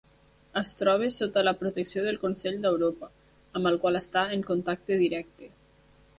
Es troba sota la protecció del Consell d'Europa amb el qual està en contacte directe.